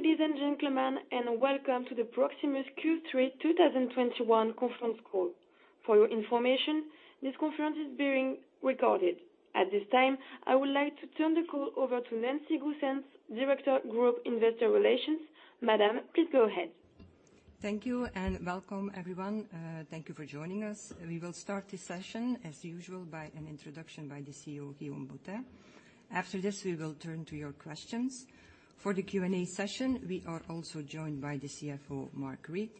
Ladies and gentlemen, welcome to the Proximus Q3 2021 conference call. For your information, this conference is being recorded. At this time, I would like to turn the call over to Nancy Goossens, Director, Group Investor Relations. Madam, please go ahead. Thank you and welcome, everyone. Thank you for joining us. We will start the session as usual by an introduction by the CEO, Guillaume Boutin. After this, we will turn to your questions. For the Q&A session, we are also joined by the CFO, Mark Reid,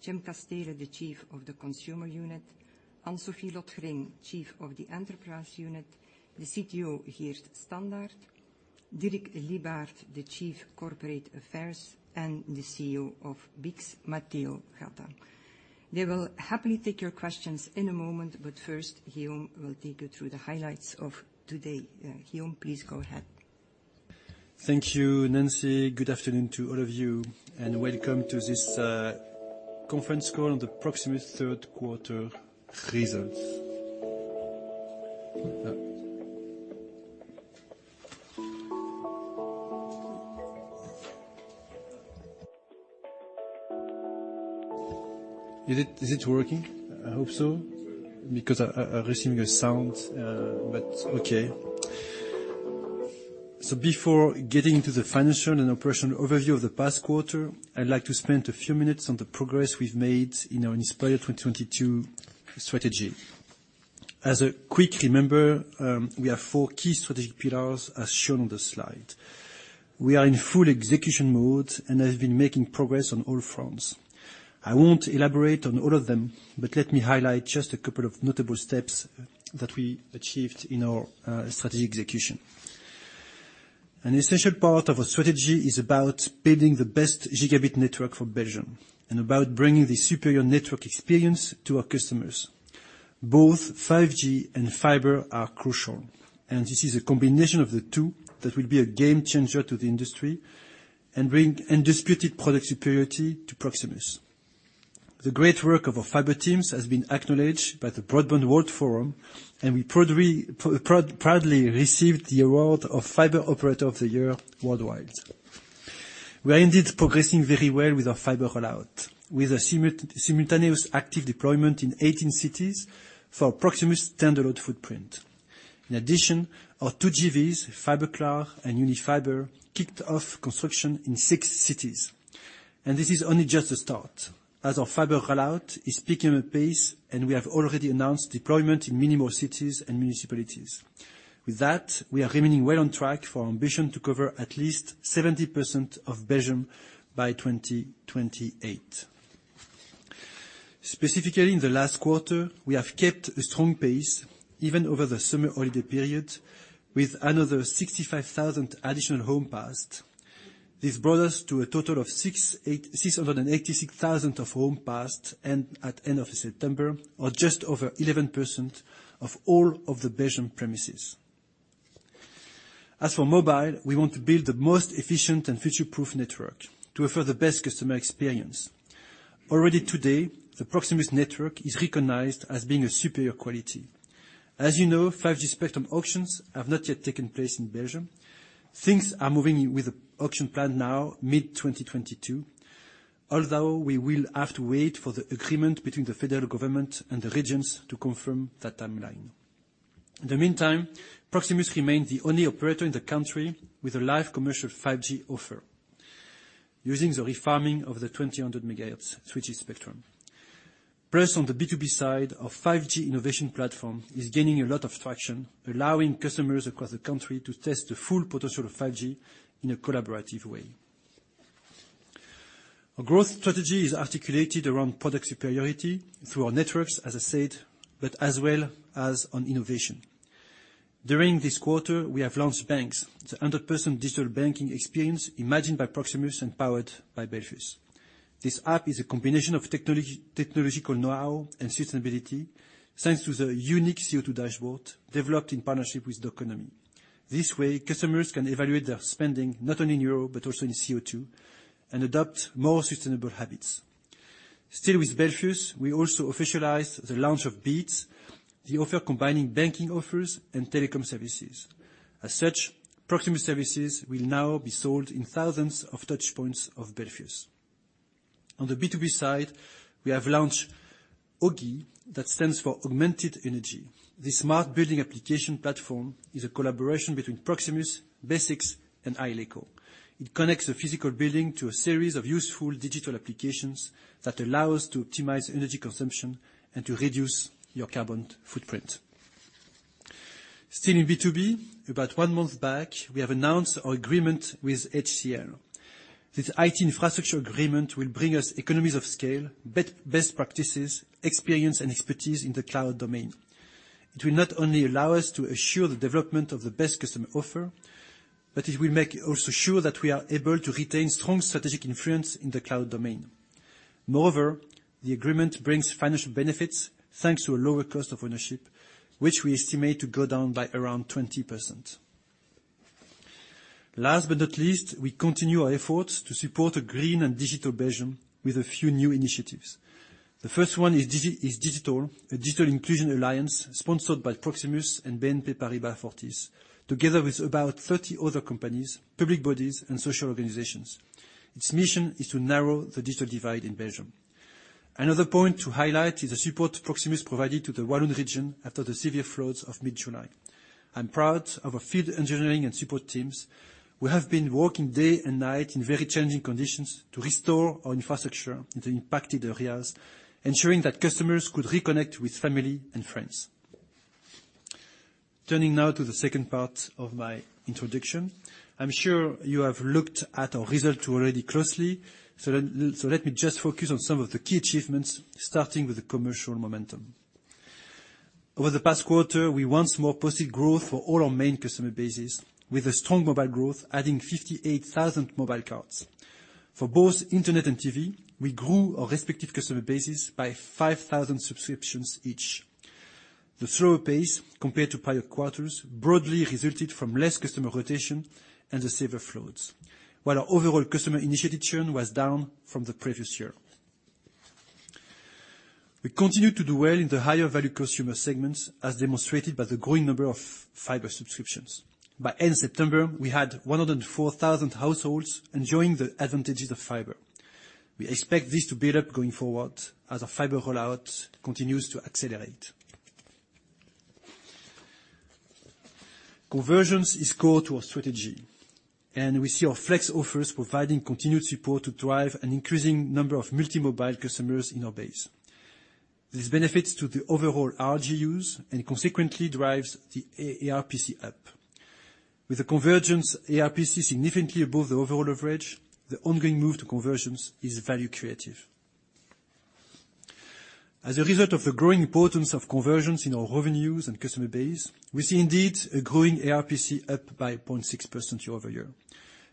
Jim Casteele, the Chief of the Consumer Unit, Anne-Sophie Lotgering, Chief of the Enterprise Unit, the CTO, Geert Standaert, Dirk Lybaert, the Chief Corporate Affairs, and the CEO of BICS, Matteo Gatta. They will happily take your questions in a moment, but first, Guillaume will take you through the highlights of today. Guillaume, please go ahead. Thank you, Nancy. Good afternoon to all of you, and welcome to this conference call on the Proximus third quarter results. Is it working? I hope so because I'm receiving a sound, but okay. Before getting into the financial and operational overview of the past quarter, I'd like to spend a few minutes on the progress we've made in our Inspire2022 strategy. As a quick reminder, we have four key strategic pillars as shown on the slide. We are in full execution mode and have been making progress on all fronts. I won't elaborate on all of them, but let me highlight just a couple of notable steps that we achieved in our strategy execution. An essential part of our strategy is about building the best gigabit network for Belgium and about bringing the superior network experience to our customers. Both 5G and Fiber are crucial, and this is a combination of the two that will be a game changer to the industry and bring undisputed product superiority to Proximus. The great work of our Fiber teams has been acknowledged by the Broadband World Forum, and we proudly received the award of Fiber Operator of the Year worldwide. We are indeed progressing very well with our Fiber rollout with a simultaneous active deployment in 18 cities for Proximus standard footprint. In addition, our two JVs, Fiberklaar and Unifiber, kicked off construction in six cities. This is only just a start as our Fiber rollout is picking up pace, and we have already announced deployment in many more cities and municipalities. With that, we are remaining well on track for our ambition to cover at least 70% of Belgium by 2028. Specifically in the last quarter, we have kept a strong pace even over the summer holiday period with another 65,000 additional Home Passed. This brought us to a total of 686,000 Home Passed and at end of September, or just over 11% of all of the Belgian premises. As for mobile, we want to build the most efficient and future-proof network to offer the best customer experience. Already today, the Proximus network is recognized as being a superior quality. As you know, 5G spectrum auctions have not yet taken place in Belgium. Things are moving with the auction plan now mid-2022. Although we will have to wait for the agreement between the federal government and the regions to confirm that timeline. In the meantime, Proximus remains the only operator in the country with a live commercial 5G offer using the refarming of the 2000 MHz 3G spectrum. Plus on the B2B side, our 5G innovation platform is gaining a lot of traction, allowing customers across the country to test the full potential of 5G in a collaborative way. Our growth strategy is articulated around product superiority through our networks, as I said, but as well as on innovation. During this quarter, we have launched Banx, the 100% digital banking experience imagined by Proximus and powered by Belfius. This app is a combination of technology, know-how and sustainability, thanks to the unique CO2 dashboard developed in partnership with Doconomy. This way, customers can evaluate their spending not only in euro but also in CO2 and adopt more sustainable habits. Still with Belfius, we also officialized the launch of Beats, the offer combining banking offers and telecom services. As such, Proximus services will now be sold in thousands of touch points of Belfius. On the B2B side, we have launched Aug∙e, that stands for Augmented Energy. This smart building application platform is a collaboration between Proximus, BESIX, and i.Leco. It connects a physical building to a series of useful digital applications that allow us to optimize energy consumption and to reduce your carbon footprint. Still in B2B, about one month back, we have announced our agreement with HCL. This IT infrastructure agreement will bring us economies of scale, best practices, experience, and expertise in the cloud domain. It will not only allow us to assure the development of the best customer offer, but it will make also sure that we are able to retain strong strategic influence in the cloud domain. Moreover, the agreement brings financial benefits thanks to a lower cost of ownership, which we estimate to go down by around 20%. Last but not least, we continue our efforts to support a green and digital Belgium with a few new initiatives. The first one is DigitAll, a Digital Inclusion alliance sponsored by Proximus and BNP Paribas Fortis, together with about 30 other companies, public bodies, and social organizations. Its mission is to narrow the digital divide in Belgium. Another point to highlight is the support Proximus provided to the Walloon region after the severe floods of mid-July. I'm proud of our field engineering and support teams who have been working day and night in very challenging conditions to restore our infrastructure in the impacted areas, ensuring that customers could reconnect with family and friends. Turning now to the second part of my introduction. I'm sure you have looked at our results already closely, so let me just focus on some of the key achievements, starting with the commercial momentum. Over the past quarter, we once more posted growth for all our main customer bases, with strong mobile growth adding 58,000 mobile cards. For both Internet and TV, we grew our respective customer bases by 5,000 subscriptions each. The slower pace compared to prior quarters broadly resulted from less customer rotation and the severe floods, while our overall customer initiative churn was down from the previous year. We continued to do well in the higher-value consumer segments, as demonstrated by the growing number of Fiber subscriptions. By end September, we had 104,000 households enjoying the advantages of Fiber. We expect this to build up going forward as our Fiber rollout continues to accelerate. Convergence is core to our strategy, and we see our Flex offers providing continued support to drive an increasing number of multi-mobile customers in our base. This benefits to the overall RGUs and consequently drives the ARPC up. With the convergence ARPC significantly above the overall average, the ongoing move to convergences is value creative. As a result of the growing importance of conversions in our revenues and customer base, we see indeed a growing ARPC up by 0.6% year-over-year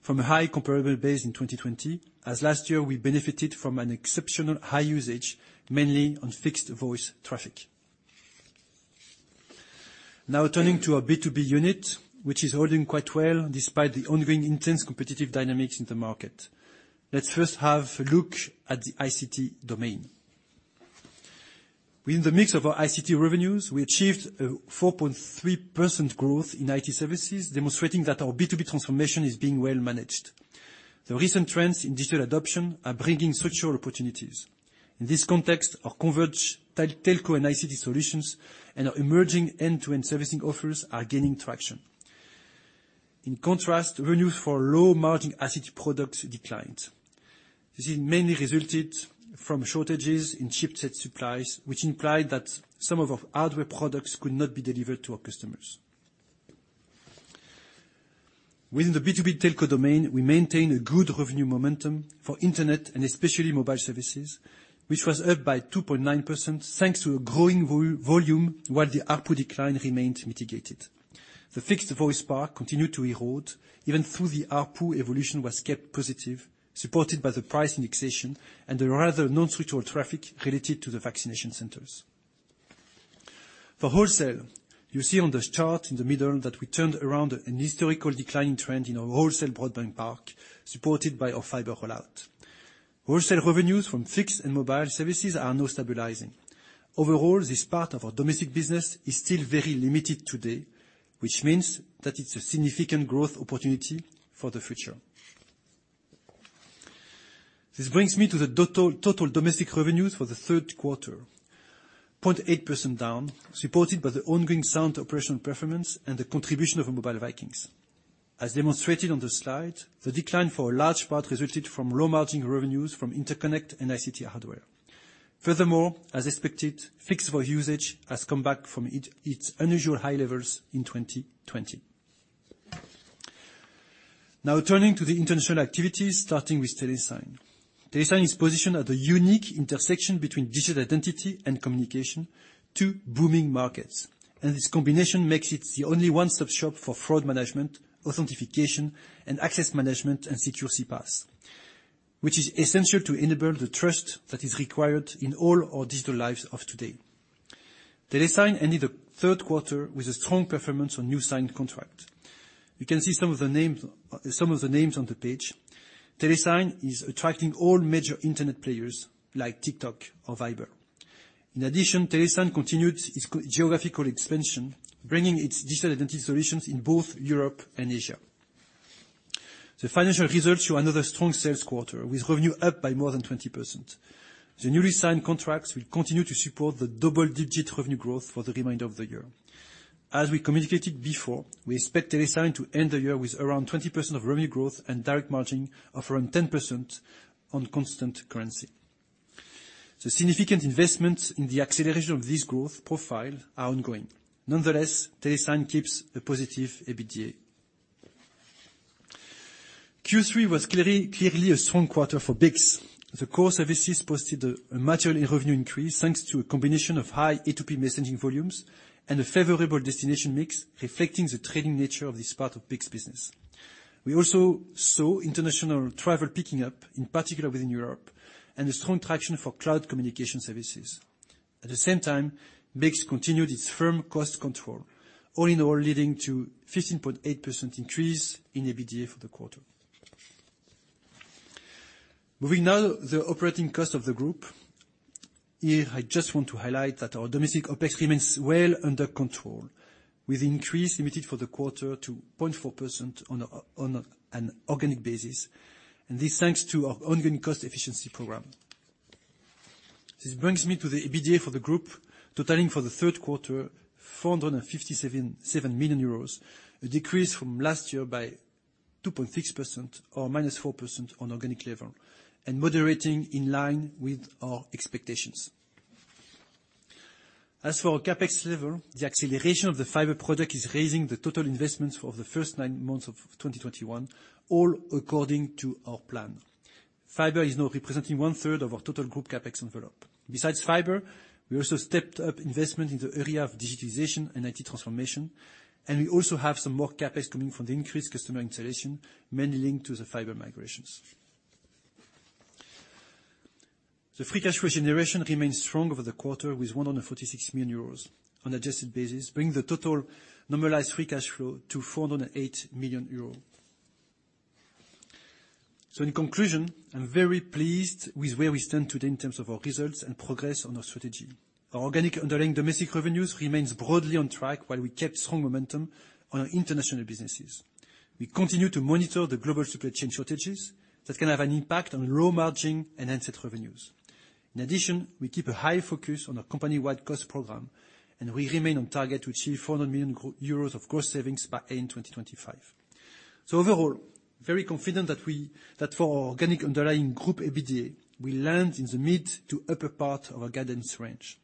from a high comparable base in 2020, as last year we benefited from an exceptional high usage, mainly on Fixed Voice traffic. Now turning to our B2B unit, which is holding quite well despite the ongoing intense competitive dynamics in the market. Let's first have a look at the ICT domain. Within the mix of our ICT revenues, we achieved a 4.3% growth in IT services, demonstrating that our B2B transformation is being well managed. The recent trends in digital adoption are bringing structural opportunities. In this context, our converged Telco and ICT solutions and our emerging end-to-end servicing offers are gaining traction. In contrast, revenues for low-margin ICT products declined. This mainly resulted from shortages in chipset supplies, which implied that some of our hardware products could not be delivered to our customers. Within the B2B Telco domain, we maintain a good revenue momentum for Internet and especially Mobile Services, which was up by 2.9%, thanks to a growing volume, while the ARPU decline remained mitigated. The Fixed Voice part continued to erode, even though the ARPU evolution was kept positive, supported by the price increases and the rather non-structural traffic related to the vaccination centers. For Wholesale, you see on this chart in the middle that we turned around a historical declining trend in our Wholesale, Broadband park, supported by our Fiber rollout. Wholesale revenues from fixed and Mobile Services are now stabilizing. Overall, this part of our domestic business is still very limited today, which means that it's a significant growth opportunity for the future. This brings me to the total domestic revenues for the third quarter. 0.8% down, supported by the ongoing sound operational performance and the contribution of our Mobile Vikings. As demonstrated on the slide, the decline for a large part resulted from low-margin revenues from Interconnect and ICT hardware. Furthermore, as expected, Fixed Voice usage has come back from its unusual high levels in 2020. Now turning to the international activities, starting with Telesign. Telesign is positioned at the unique intersection between Digital Identity and communication, two booming markets. This combination makes it the only one-stop shop for fraud management, authentication, and access management and secure CPaaS, which is essential to enable the trust that is required in all our digital lives of today. Telesign ended the third quarter with a strong performance on new signed contract. You can see some of the names on the page. Telesign is attracting all major Internet players like TikTok or Viber. In addition, Telesign continued its geographical expansion, bringing its Digital Identity solutions in both Europe and Asia. The financial results show another strong sales quarter, with revenue up by more than 20%. The newly signed contracts will continue to support the double-digit revenue growth for the remainder of the year. As we communicated before, we expect Telesign to end the year with around 20% of revenue growth and direct margin of around 10% on constant currency. The significant investments in the acceleration of this growth profile are ongoing. Nonetheless, Telesign keeps a positive EBITDA. Q3 was clearly a strong quarter for BICS. The core services posted a material revenue increase, thanks to a combination of high A2P messaging volumes and a favorable destination mix, reflecting the trading nature of this part of BICS's business. We also saw international travel picking up, in particular within Europe, and a strong traction for cloud communication services. At the same time, BICS continued its firm cost control, all in all leading to a 15.8% increase in EBITDA for the quarter. Moving now to the operating costs of the group. Here, I just want to highlight that our domestic OpEx remains well under control, with an increase limited for the quarter to 0.4% on an organic basis, and this thanks to our ongoing cost efficiency program. This brings me to the EBITDA for the group, totaling for the third quarter 457 million euros, a decrease from last year by 2.6% or -4% on organic level, and moderating in line with our expectations. As for our CapEx level, the acceleration of the Fiber product is raising the total investments for the first nine months of 2021, all according to our plan. Fiber is now representing one-third of our total group CapEx envelope. Besides Fiber, we also stepped up investment in the area of digitization and IT transformation, and we also have some more CapEx coming from the increased customer installation, mainly linked to the Fiber migrations. The free cash flow generation remains strong over the quarter with 146 million euros on adjusted basis, bringing the total normalized free cash flow to 408 million euros. In conclusion, I'm very pleased with where we stand today in terms of our results and progress on our strategy. Our organic underlying domestic revenues remains broadly on track while we kept strong momentum on our international businesses. We continue to monitor the global supply chain shortages that can have an impact on low margin and asset revenues. In addition, we keep a high focus on our company-wide cost program, and we remain on target to achieve 400 million euros of cost savings by end 2025. Overall, very confident that for our organic underlying group EBITDA, we land in the mid to upper part of our guidance range.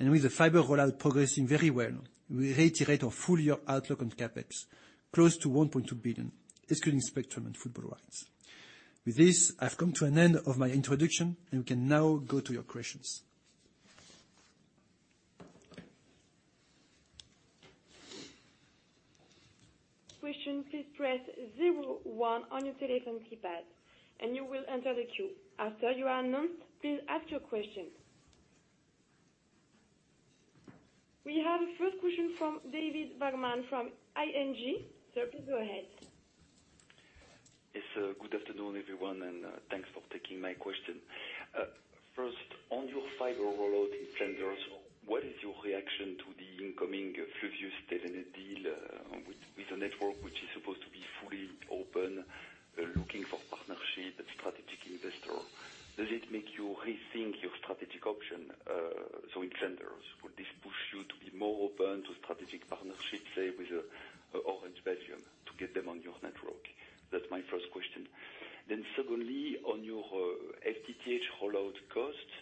With the Fiber rollout progressing very well, we reiterate our full-year outlook on CapEx, close to 1.2 billion, excluding spectrum and football rights. With this, I've come to an end of my introduction, and we can now go to your questions. Question, please press zero one on your telephone keypad, and you will enter the queue. After you are announced, please ask your question. We have the first question from David Vagman from ING. Sir, please go ahead. Yes, good afternoon, everyone, and thanks for taking my question. First, on your Fiber rollout in Flanders, what is your reaction to the incoming Fluvius and Telenet deal, with a network which is supposed to be fully open, looking for partnership and strategic investor? Does it make you rethink your strategic option, so in Flanders? Would this push you to be more open to strategic partnerships, say, with Orange Belgium to get them on your network? That's my first question. Secondly, on your FTTH rollout costs,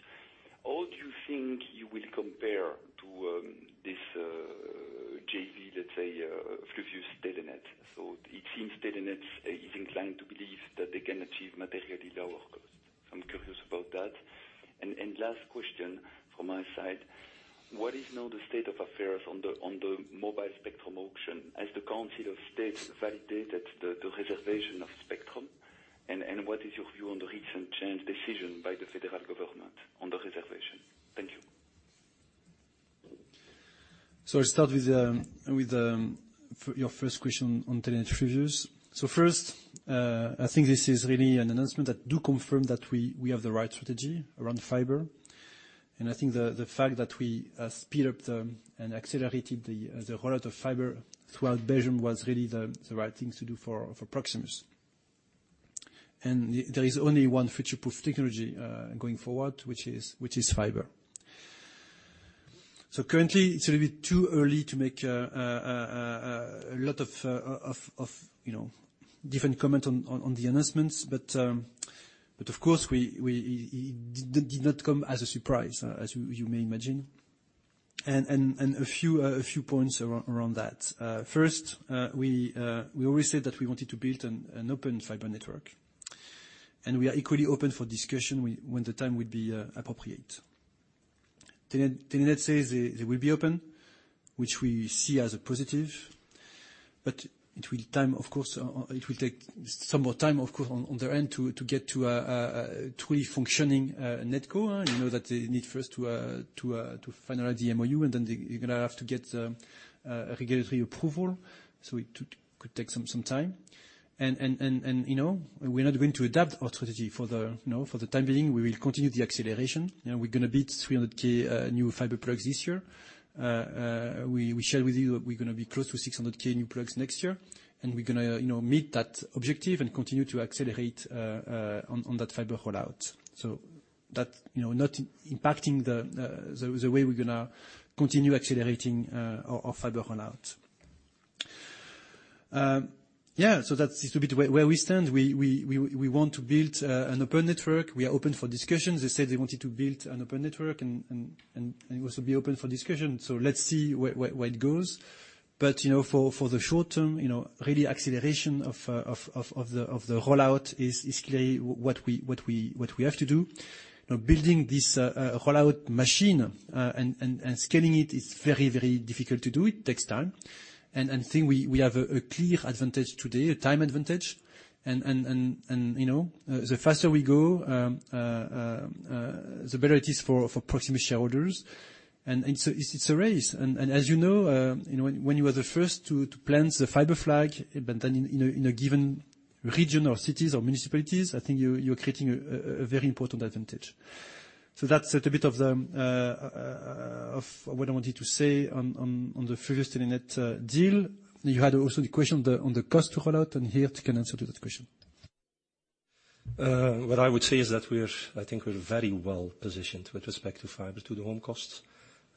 how do you think you will compare to this JV, let's say, Fluvius and Telenet? It seems Telenet is inclined to believe that they can achieve materially lower costs. I'm curious about that. Last question from my side, what is now the state of affairs on the mobile spectrum auction? Has the Council of State validated the reservation of spectrum? What is your view on the recent changed decision by the federal government on the reservation? Thank you. I'll start with your first question on Telenet and Fluvius. First, I think this is really an announcement that does confirm that we have the right strategy around Fiber. I think the fact that we sped up and accelerated the rollout of Fiber throughout Belgium was really the right thing to do for Proximus. There is only one future-proof technology going forward, which is Fiber. Currently, it's a little bit too early to make a lot of, you know, different comment on the announcements. Of course, it did not come as a surprise, as you may imagine. A few points around that. First, we always said that we wanted to build an open Fiber network. We are equally open for discussion when the time would be appropriate. Telenet says they will be open, which we see as a positive. It will take time, of course. It will take some more time, of course, on their end to get to a functioning network. You know, that they need first to finalize the MOU, and then they're gonna have to get the regulatory approval. It could take some time. You know, we're not going to adapt our strategy for the time being. We will continue the acceleration. You know, we're gonna build 300,000 new Fiber plugs this year. We shared with you we're gonna be close to 600,000 new plugs next year, and we're gonna, you know, meet that objective and continue to accelerate on that Fiber rollout. That, you know, not impacting the way we're gonna continue accelerating our Fiber rollout. Yeah, so that is a bit where we stand. We want to build an open network. We are open for discussions. They said they wanted to build an open network and also be open for discussion. Let's see where it goes. You know, for the short-term, you know, really acceleration of the rollout is clearly what we have to do. You know, building this rollout machine and scaling it is very difficult to do. It takes time. I think we have a clear advantage today, a time advantage. You know, the faster we go, the better it is for Proximus shareholders. So it's a race. As you know, you know, when you are the first to plant the Fiber flag, but then in a given region or cities or municipalities, I think you're creating a very important advantage. That's a little bit of what I wanted to say on the previous Telenet deal. You had also the question on the cost to roll out, and Geert can answer to that question. What I would say is that I think we're very well positioned with respect to fiber to the home costs.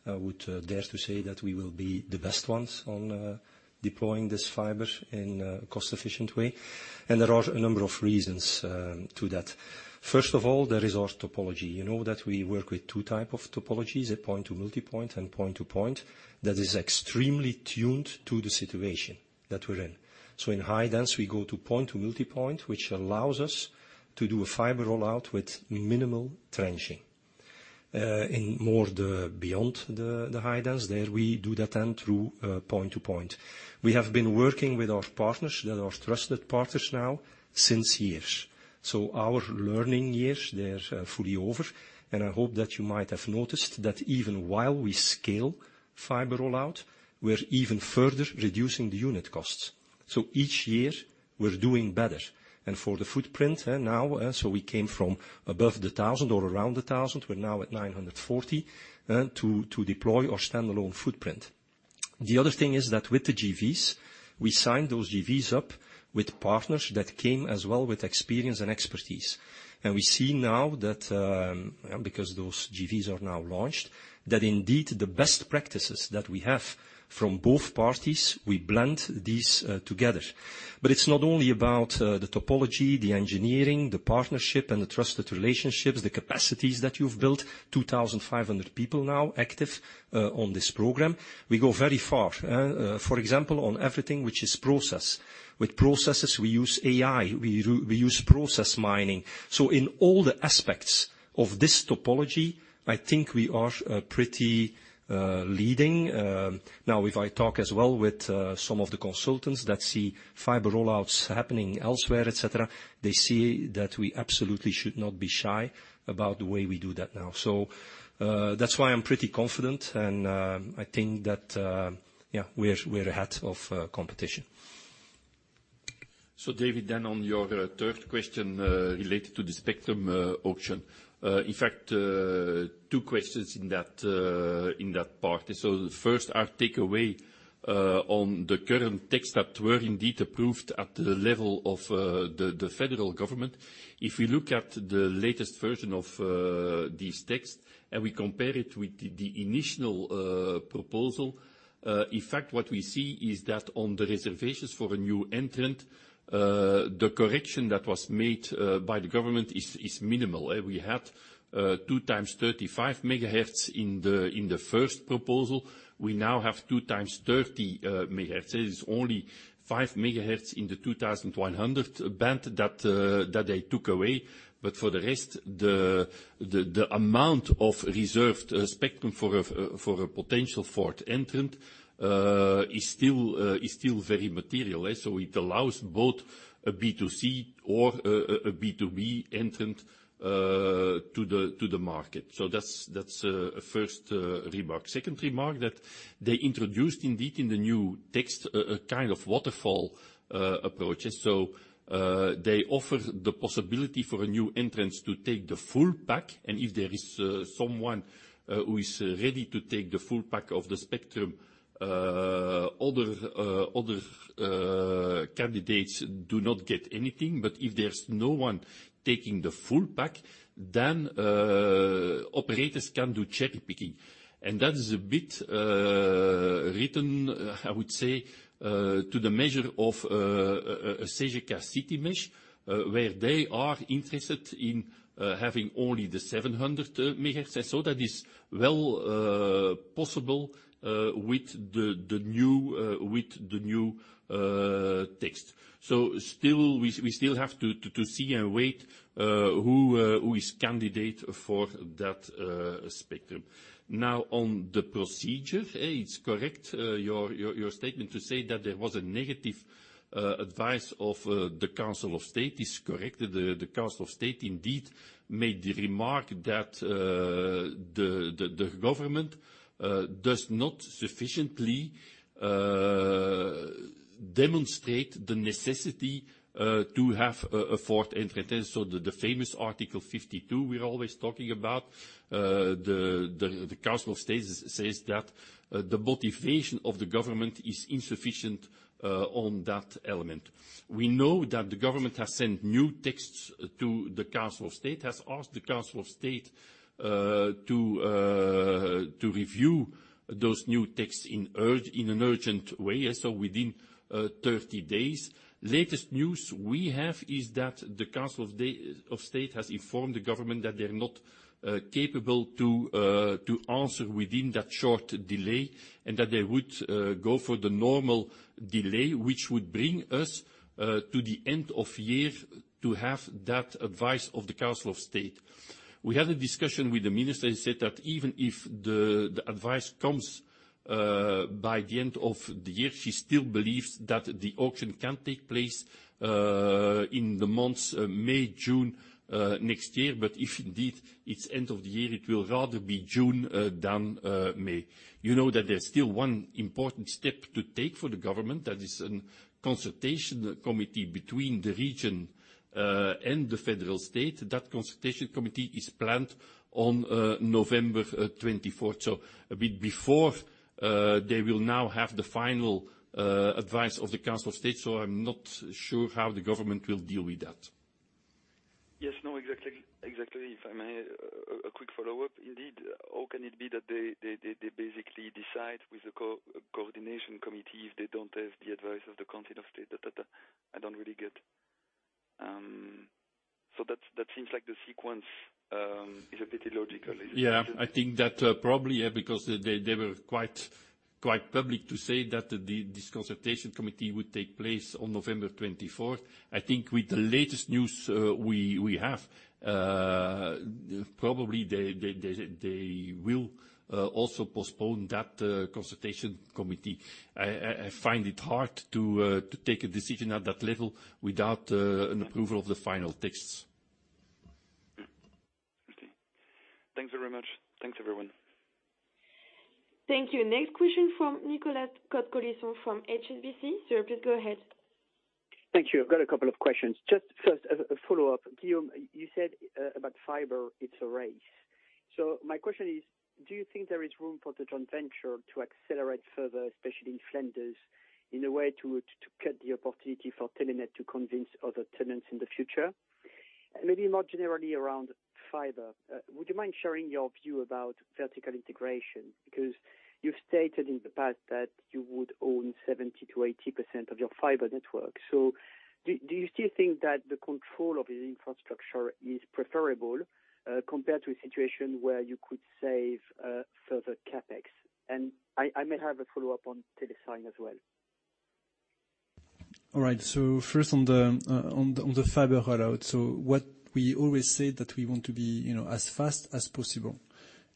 I would dare to say that we will be the best ones on deploying this Fiber in a cost-efficient way, and there are a number of reasons to that. First of all, there is our topology. You know that we work with two type of topologies, a point-to-multipoint and point-to-point, that is extremely tuned to the situation that we're in. In high-density, we go to point-to-multipoint, which allows us to do a Fiber rollout with minimal trenching. In areas beyond the high-density, we do that through point-to-point. We have been working with our partners that are trusted partners now since years. Our learning years, they're fully over. I hope that you might have noticed that even while we scale Fiber rollout, we're even further reducing the unit costs. Each year we're doing better. For the footprint, now, we came from above 1,000 or around 1,000, we're now at 940 to deploy our standalone footprint. The other thing is that with the JVs, we signed those JVs up with partners that came as well with experience and expertise. We see now that, because those JVs are now launched, that indeed the best practices that we have from both parties, we blend these together. It's not only about the topology, the engineering, the partnership and the trusted relationships, the capacities that you've built, 2,500 people now active on this program. We go very far. For example, on everything which is process. With processes, we use AI, we use process mining. In all the aspects of this topology, I think we are pretty leading. Now if I talk as well with some of the consultants that see Fiber roll-outs happening elsewhere, et cetera, they see that we absolutely should not be shy about the way we do that now. That's why I'm pretty confident and I think that yeah, we're ahead of competition. David, on your third question related to the spectrum auction. In fact, two questions in that part. First, our takeaway on the current texts that were indeed approved at the level of the federal government, if we look at the latest version of this text and we compare it with the initial proposal, in fact, what we see is that on the reservations for a new entrant, the correction that was made by the government is minimal. We had 2 × 35 MHz in the first proposal. We now have 2 × 30 MHz. It is only 5 MHz in the 2,100 band that they took away. For the rest, the amount of reserved spectrum for a potential fourth entrant is still very material. It allows both a B2C or a B2B entrant to the market. That's a first remark. Second remark that they introduced indeed in the new text, a kind of waterfall approach. They offer the possibility for new entrants to take the full pack, and if there is someone who is ready to take the full pack of the spectrum, other candidates do not get anything. If there's no one taking the full pack, operators can do cherry picking. That is a bit written, I would say, to the measure of a Cegeka, Citymesh, where they are interested in having only the 700 MHz. That is well possible with the new text. Still we still have to see and wait who is candidate for that spectrum. Now, on the procedure, it's correct, your statement to say that there was a negative advice of the Council of State. It's correct. The Council of State indeed made the remark that the government does not sufficiently demonstrate the necessity to have a fourth entrant. The famous Article 52 we're always talking about. The Council of State says that the motivation of the government is insufficient on that element. We know that the government has sent new texts to the Council of State, has asked the Council of State to review those new texts in an urgent way, so within 30 days. Latest news we have is that the Council of State has informed the government that they're not capable to answer within that short delay, and that they would go for the normal delay, which would bring us to the end of year to have that advice of the Council of State. We had a discussion with the minister. He said that even if the advice comes by the end of the year, she still believes that the auction can take place in the months May, June next year. If indeed it's end of the year, it will rather be June than May. You know that there's still one important step to take for the government. That is a consultation committee between the region and the federal state. That consultation committee is planned on November 24. A bit before, they will now have the final advice of the Council of State, so I'm not sure how the government will deal with that. Yes, no, exactly. If I may, a quick follow-up indeed. How can it be that they basically decide with the coordination committee if they don't have the advice of the Council of State? I don't really get. That seems like the sequence is a bit illogical. Yeah. I think that probably, yeah, because they were quite public to say that this consultation committee would take place on November 24. I think with the latest news, probably they will also postpone that consultation committee. I find it hard to take a decision at that level without an approval of the final texts. Okay. Thanks very much. Thanks, everyone. Thank you. Next question from Nicolas Cote-Colisson from HSBC. Sir, please go ahead. Thank you. I've got a couple of questions. Just first, a follow-up. Guillaume, you said about Fiber, it's a race. So my question is, do you think there is room for the joint venture to accelerate further, especially in Flanders, in a way to cut the opportunity for Telenet to convince other tenants in the future? Maybe more generally around Fiber, would you mind sharing your view about vertical integration? Because you've stated in the past that you would own 70%-80% of your Fiber network. So do you still think that the control of the infrastructure is preferable compared to a situation where you could save further CapEx? I may have a follow-up on Telesign as well. All right. First on the Fiber rollout. What we always say that we want to be, you know, as fast as possible.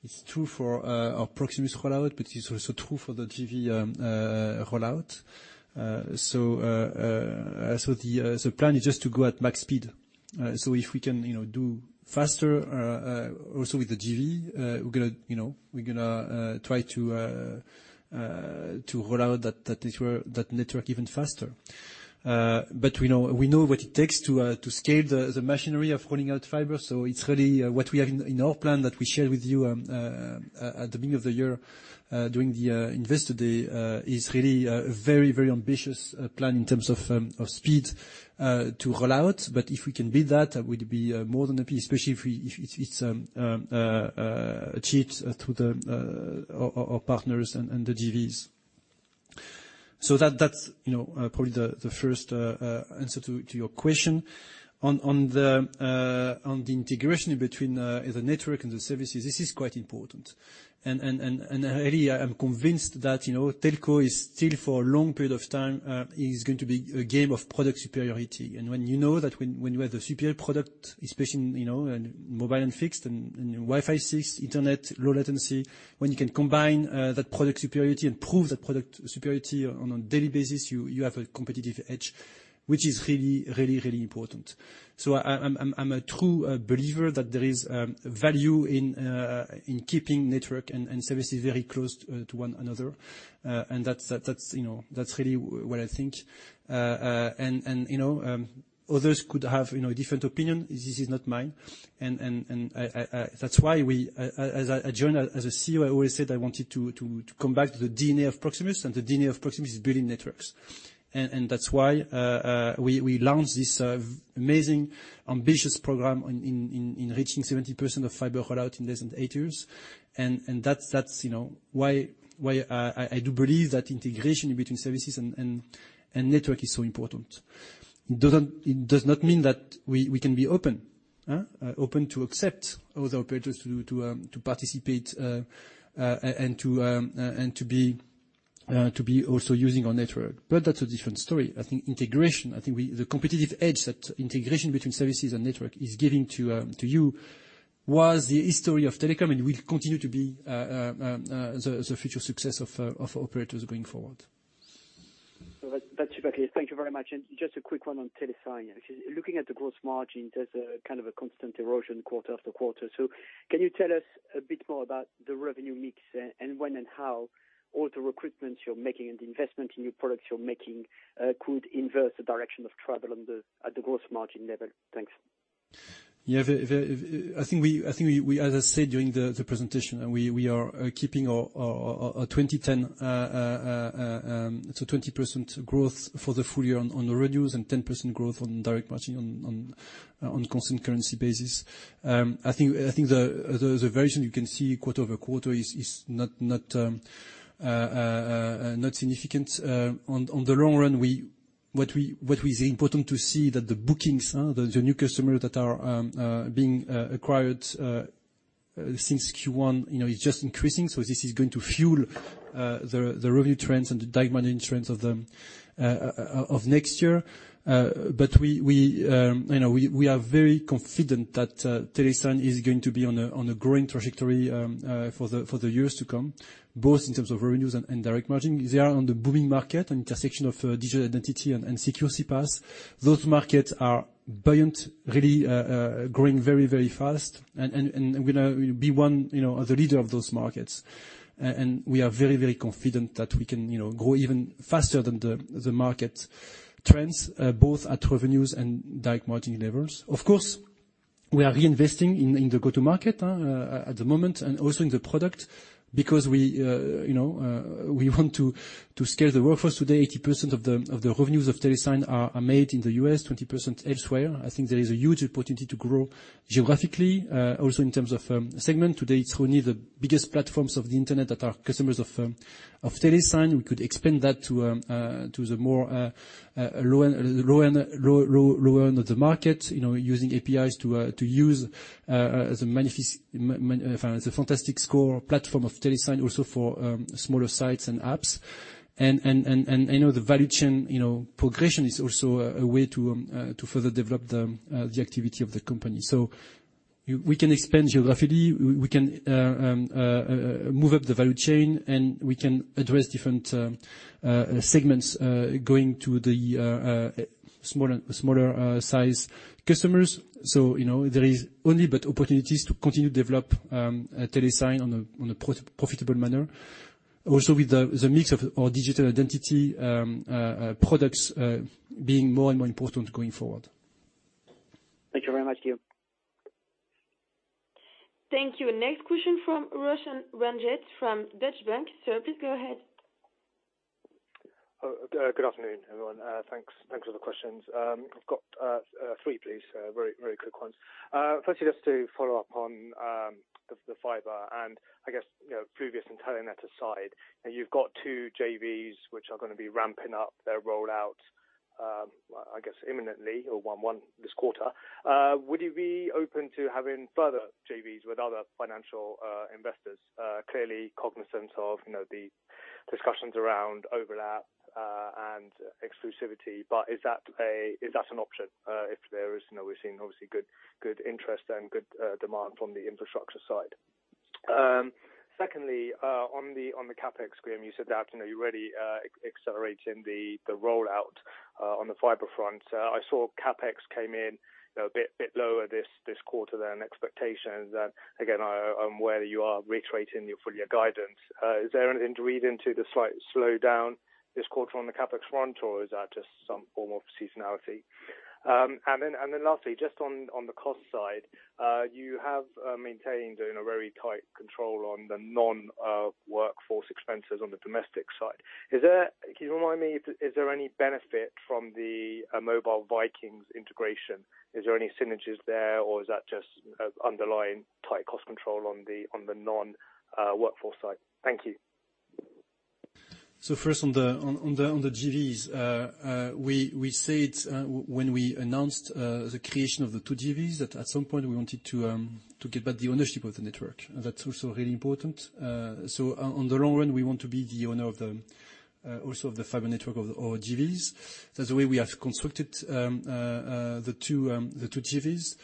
It's true for our Proximus rollout, but it's also true for the JV rollout. The plan is just to go at max speed. If we can, you know, do faster also with the JV, we're gonna, you know, try to roll out that network even faster. We know what it takes to scale the machinery of rolling out Fiber. It's really what we have in our plan that we share with you at the beginning of the year during the Investor Day is really a very, very ambitious plan in terms of speed to roll out. But if we can build that would be more than a piece, especially if it's achieved through our partners and the JVs. That's you know probably the first answer to your question. On the integration between the network and the services, this is quite important. Really I'm convinced that you know telco is still for a long period of time is going to be a game of product superiority. When you know that you have the superior product, especially in, you know, in mobile and fixed and Wi-Fi 6 Internet, low latency, when you can combine that product superiority and prove that product superiority on a daily basis, you have a competitive edge, which is really important. I'm a true believer that there is value in keeping network and services very close to one another. That's you know that's really what I think. You know others could have you know a different opinion. This is not mine. That's why, as I joined as a CEO, I always said I wanted to come back to the DNA of Proximus, and the DNA of Proximus is building networks. That's why we launched this amazing, ambitious program on reaching 70% of Fiber rollout in less than eight years. That's, you know, why I do believe that integration between services and network is so important. It does not mean that we can be open. Open to accept other operators to participate and to be also using our network. But that's a different story. I think integration, I think the competitive edge that integration between services and network is giving to you was the history of telecom and will continue to be the future success of operators going forward. That's perfect. Thank you very much. Just a quick one on Telesign. Looking at the gross margin, there's a kind of a constant erosion quarter-after-quarter. Can you tell us a bit more about the revenue mix and when and how all the recruitments you're making and the investment in new products you're making could invert the direction of travel on the at the gross margin level? Thanks. Yeah. I think we, as I said during the presentation, we are keeping our 20/10, so 20% growth for the full year on revenues and 10% growth on direct margin on constant currency basis. I think the variation you can see quarter-over-quarter is not significant. In the long run, what is important to see that the bookings, the new customers that are being acquired since Q1, you know, is just increasing. This is going to fuel the revenue trends and the direct margin of next year. We are very confident that Telesign is going to be on a growing trajectory for the years to come, both in terms of revenues and direct margin. They are on the booming market intersection of Digital Identity and CPaaS. Those markets are buoyant, really, growing very fast and gonna be one, you know, the leader of those markets. We are very confident that we can, you know, grow even faster than the market trends, both at revenues and direct margin levels. Of course, we are reinvesting in the go-to-market at the moment, and also in the product because we want to scale the workforce. Today, 80% of the revenues of Telesign are made in the U.S., 20% elsewhere. I think there is a huge opportunity to grow geographically, also in terms of segment. Today, it's only the biggest platforms of the Internet that are customers of Telesign. We could expand that to the more low-end of the market, you know, using APIs to use as a CPaaS. It's a fantastic core platform of Telesign also for smaller sites and apps. I know the value chain, you know, progression is also a way to further develop the activity of the company. We can expand geographically. We can move up the value chain, and we can address different segments, going to the smaller size customers. You know, there is only but opportunities to continue to develop Telesign on a profitable manner. Also with the mix of our Digital Identity products being more and more important going forward. Thank you very much, Guillaume. Thank you. Next question from Roshan Ranjit from Deutsche Bank. Sir, please go ahead. Good afternoon, everyone. Thanks for the questions. I've got three, please. Very quick ones. Firstly, just to follow up on the Fiber and I guess, you know, Proximus and Telenet aside, you've got two JVs which are gonna be ramping up their rollout, I guess imminently or one this quarter. Would you be open to having further JVs with other financial investors? Clearly cognizant of, you know, the discussions around overlap and exclusivity, but is that an option, if there is, you know, we're seeing obviously good interest and good demand from the infrastructure side. Secondly, on the CapEx Guillaume, you said that, you know, you're really accelerating the rollout on the Fiber front. I saw CapEx came in, you know, a bit lower this quarter than expectations. Again, I'm aware that you are reiterating your full-year guidance. Is there anything to read into the slight slowdown this quarter on the CapEx front, or is that just some form of seasonality? Lastly, just on the cost side, you have maintained, you know, a very tight control on the non-workforce expenses on the domestic side. Can you remind me, is there any benefit from the Mobile Vikings integration? Is there any synergies there or is that just underlying tight cost control on the non-workforce side? Thank you. First on the JVs, we said when we announced the creation of the two JVs that at some point we wanted to get back the ownership of the network. That's also really important. On the long run, we want to be the owner also of the Fiber network of JVs. That's the way we have constructed the two JVs.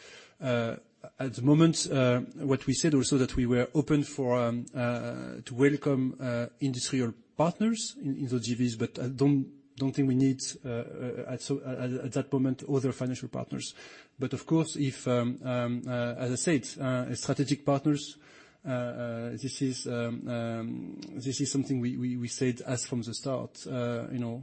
At the moment, what we also said that we were open to welcome industry partners in the JVs. I don't think we need at that moment other financial partners. Of course, if, as I said, strategic partners, this is something we said as from the start, you know,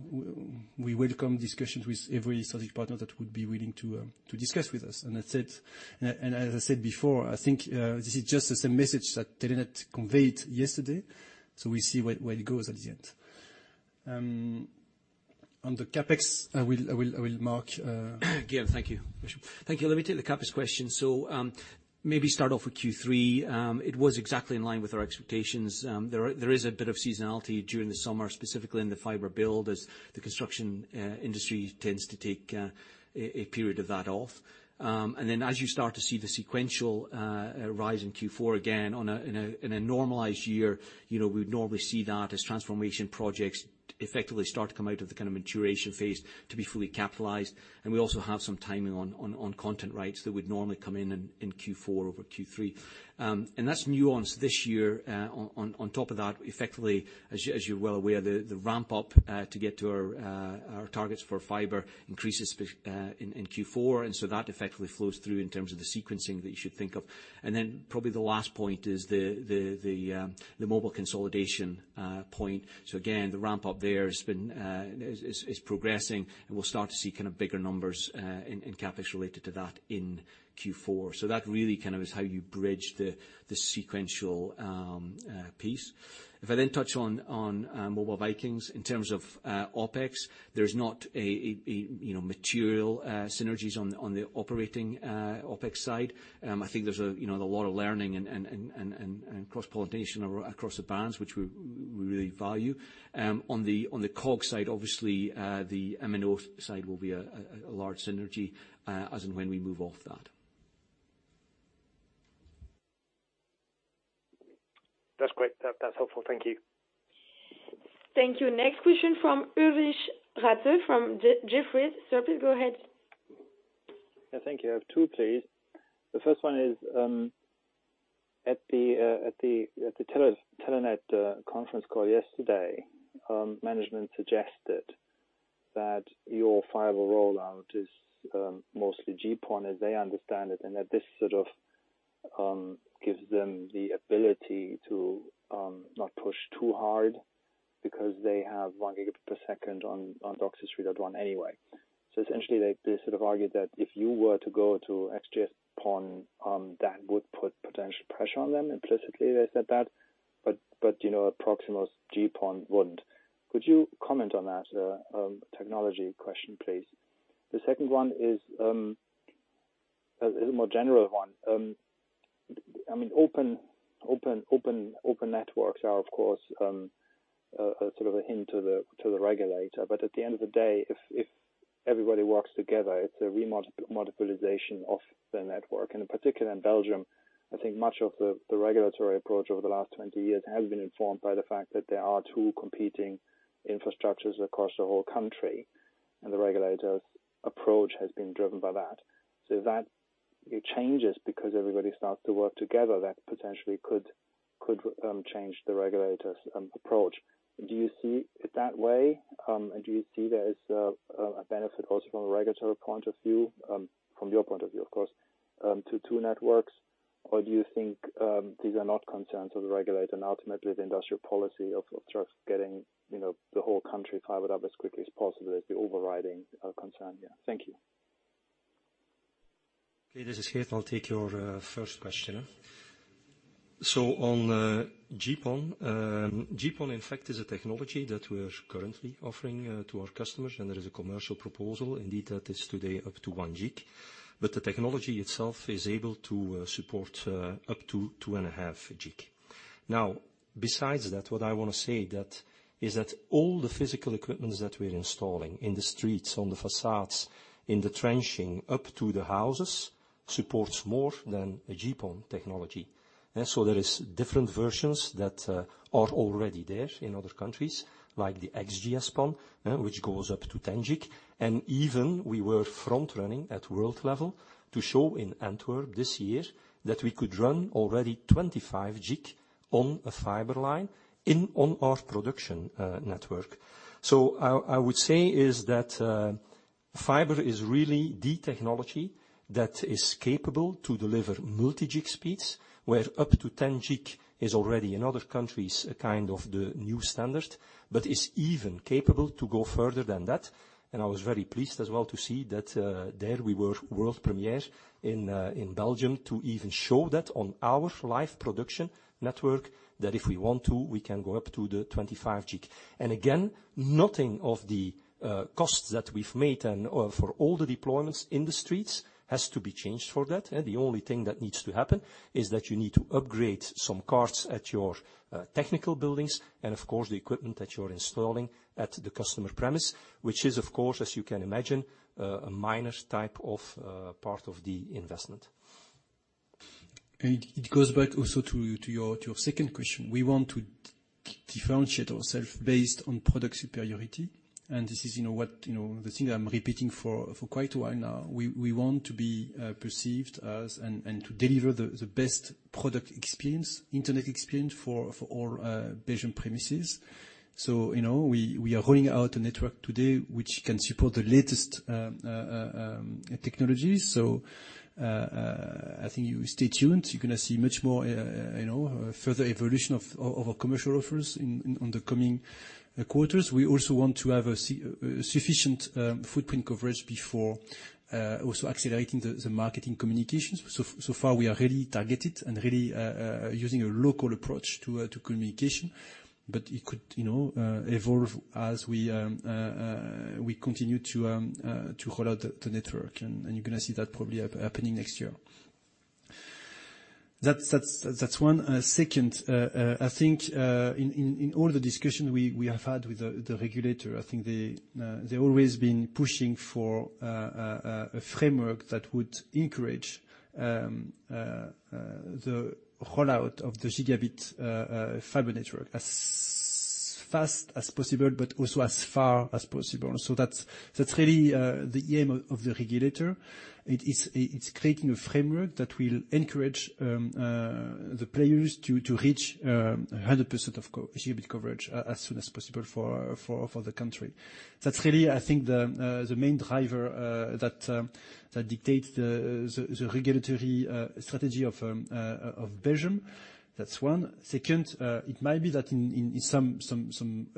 we welcome discussions with every strategic partner that would be willing to discuss with us. As I said before, I think this is just the same message that Telenet conveyed yesterday. We see where it goes at the end. On the CapEx, I will, Mark. Guillaume, thank you. Thank you. Let me take the CapEx question. Maybe start off with Q3. It was exactly in line with our expectations. There is a bit of seasonality during the summer, specifically in the Fiber build, as the construction industry tends to take a period of that off. Then as you start to see the sequential rise in Q4, again, in a normalized year, you know, we would normally see that as transformation projects effectively start to come out of the kinda maturation phase to be fully capitalized. We also have some timing on content rights that would normally come in Q4 over Q3. That's nuanced this year, on top of that, effectively, as you're well aware, the ramp up to get to our targets for Fiber increases in Q4. That effectively flows through in terms of the sequencing that you should think of. Probably the last point is the mobile consolidation point. Again, the ramp up there is progressing, and we'll start to see kinda bigger numbers in CapEx related to that in Q4. That really kind of is how you bridge the sequential piece. If I then touch on Mobile Vikings, in terms of OpEx, there's not a you know material synergies on the operating OpEx side. I think there's a you know a lot of learning and cross-pollination across the bands, which we really value. On the COGS side, obviously, the MNO side will be a large synergy, as and when we move off that. That's great. That's helpful. Thank you. Thank you. Next question from Ulrich Rathe from Jefferies. Sir, please go ahead. Yeah, thank you. I have two, please. The first one is at the Telenet conference call yesterday, management suggested that your Fiber rollout is mostly GPON as they understand it, and that this sort of gives them the ability to not push too hard because they have 1 Gbps on DOCSIS 3.1 anyway. Essentially, they sort of argued that if you were to go to XGS-PON, that would put potential pressure on them. Implicitly, they said that. You know, a Proximus GPON wouldn't. Could you comment on that technology question, please? The second one is a more general one. I mean, open networks are of course a sort of a hint to the regulator. At the end of the day, if everybody works together, it's a remodularization of the network. In particular, in Belgium, I think much of the regulatory approach over the last 20 years has been informed by the fact that there are two competing infrastructures across the whole country, and the regulator's approach has been driven by that. If that changes because everybody starts to work together, that potentially could change the regulator's approach. Do you see it that way? Do you see there is a benefit also from a regulatory point of view, from your point of view, of course, to two networks? Do you think these are not concerns of the regulator and ultimately the industrial policy of just getting, you know, the whole country fibered up as quickly as possible is the overriding concern here? Thank you. Okay, this is Geert. I'll take your first question. On GPON. GPON in fact is a technology that we're currently offering to our customers, and there is a commercial proposal indeed that is today up to 1 Gb. The technology itself is able to support up to 2.5 Gb. Now, besides that, what I wanna say is that all the physical equipment that we're installing in the streets, on the facades, in the trenching up to the houses, supports more than a GPON technology. There are different versions that are already there in other countries, like the XGS-PON, which goes up to 10 Gb, and even we were front running at world level to show in Antwerp this year that we could run already 25 Gb on a Fiber line in, on our production network. I would say is that Fiber is really the technology that is capable to deliver multi-gig speeds, where up to 10 Gb is already in other countries, a kind of the new standard. It is even capable to go further than that. I was very pleased as well to see that there we were world premiere in Belgium to even show that on our live production network, that if we want to, we can go up to the 25 Gb. Again, nothing of the costs that we've made and for all the deployments in the streets has to be changed for that. The only thing that needs to happen is that you need to upgrade some cards at your technical buildings and of course, the equipment that you're installing at the customer premise, which is of course, as you can imagine, a minor type of part of the investment. It goes back also to your second question. We want to differentiate ourselves based on product superiority, and this is, you know, what, you know, the thing I'm repeating for quite a while now. We want to be perceived as and to deliver the best product experience, Internet experience for all Belgium premises. You know, we are rolling out a network today which can support the latest technologies. I think you stay tuned. You're gonna see much more, you know, further evolution of our commercial offers in the coming quarters. We also want to have a sufficient footprint coverage before also accelerating the marketing communications. So far we are really targeted and really using a local approach to communication. It could, you know, evolve as we continue to roll out the network. You're gonna see that probably happening next year. That's one. Second, I think in all the discussion we have had with the regulator, I think they always been pushing for a framework that would encourage the rollout of the gigabit Fiber network as fast as possible, but also as far as possible. That's really the aim of the regulator. It is, it's creating a framework that will encourage the players to reach 100% gigabit coverage as soon as possible for the country. That's really, I think the main driver that dictates the regulatory strategy of Belgium. That's one. Second, it might be that in some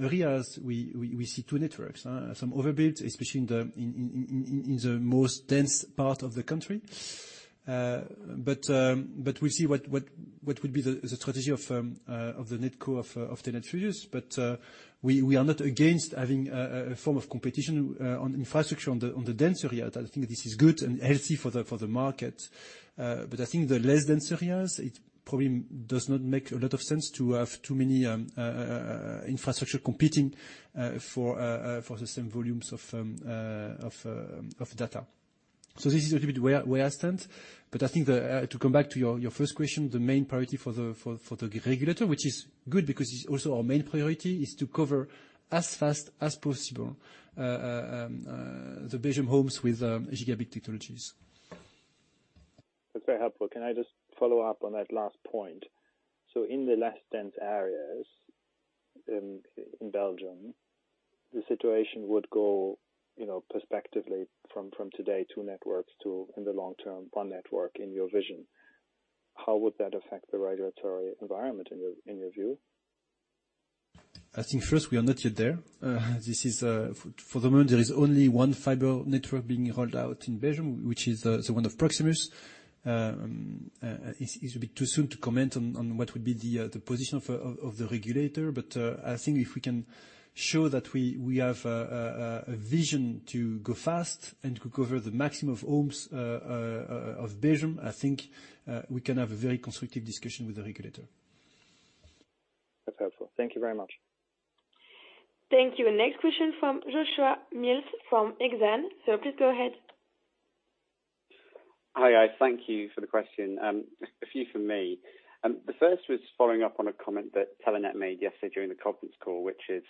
areas we see two networks. Some overbuild, especially in the most dense part of the country. We'll see what would be the strategy of the NetCo of the networks. We are not against having a form of competition on infrastructure on the dense area. I think this is good and healthy for the market. I think the less dense areas, it probably does not make a lot of sense to have too many infrastructure competing for the same volumes of data. This is a little bit where I stand. I think to come back to your first question, the main priority for the regulator, which is good because it's also our main priority, is to cover as fast as possible the Belgian homes with gigabit technologies. That's very helpful. Can I just follow up on that last point? In the less dense areas, in Belgium, the situation would go, you know, prospectively from today, two networks to, in the long-term, one network in your vision. How would that affect the regulatory environment in your view? I think first, we are not yet there. This is for the moment, there is only one Fiber network being rolled out in Belgium, which is the one of Proximus. It's a bit too soon to comment on what would be the position of the regulator. I think if we can show that we have a vision to go fast and to cover the maximum of homes of Belgium, I think we can have a very constructive discussion with the regulator. That's helpful. Thank you very much. Thank you. Next question from Joshua Mills from Exane. Sir, please go ahead. Hi, guys. Thank you for the question. A few from me. The first was following up on a comment that Telenet made yesterday during the conference call, which is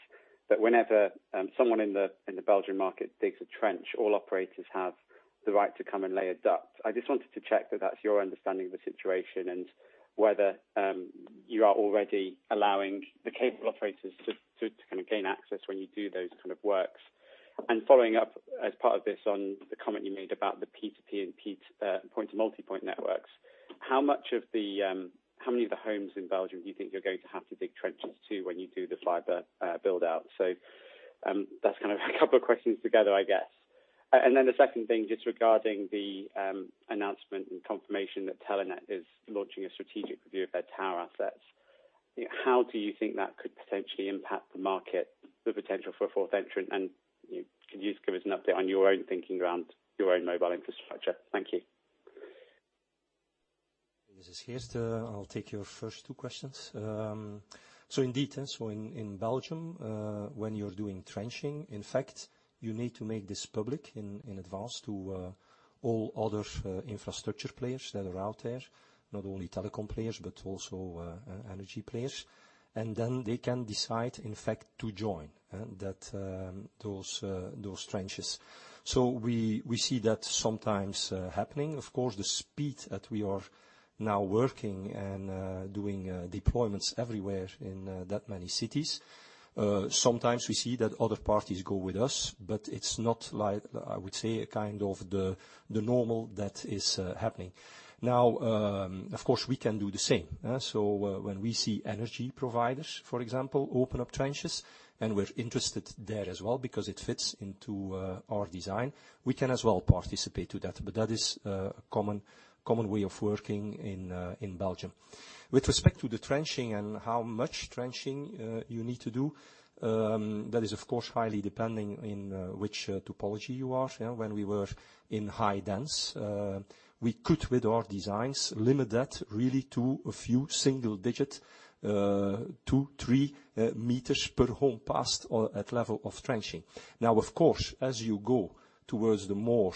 that whenever someone in the Belgian market digs a trench, all operators have the right to come and lay a duct. I just wanted to check that that's your understanding of the situation and whether you are already allowing the cable operators to kinda gain access when you do those kind of works. Following up, as part of this, on the comment you made about the P2P and point-to-multipoint networks, how many of the homes in Belgium do you think you're going to have to dig trenches to when you do the Fiber build-out? That's kind of a couple of questions together, I guess. The second thing, just regarding the announcement and confirmation that Telenet is launching a strategic review of their tower assets, you know, how do you think that could potentially impact the market, the potential for a fourth entrant? You know, can you just give us an update on your own thinking around your own mobile infrastructure? Thank you. This is Geert. I'll take your first two questions. Indeed, in Belgium, when you're doing trenching, in fact, you need to make this public in advance to all other infrastructure players that are out there, not only telecom players, but also energy players. Then they can decide, in fact, to join those trenches. We see that sometimes happening. Of course, the speed that we are now working and doing deployments everywhere in that many cities, sometimes we see that other parties go with us, but it's not like, I would say, a kind of the normal that is happening. Now, of course, we can do the same. When we see energy providers, for example, open up trenches, and we're interested there as well because it fits into our design, we can as well participate in that. That is a common way of working in Belgium. With respect to the trenching and how much trenching you need to do, that is, of course, highly dependent on which topology you are. You know, when we were in high density, we could, with our designs, limit that really to a few single digit 2, 3 m per Home Passed or at level of trenching. Now, of course, as you go towards the more